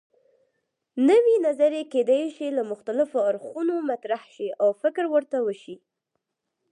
نوې نظریې کیدای شي له مختلفو اړخونو مطرح شي او فکر ورته وشي.